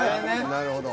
なるほど。